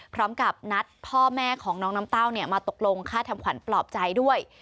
พร้อมกับนัดพ่อแม่ของน้องน้ำเต้ามาตกลงค่าทำขวัญปลอบใจด้วย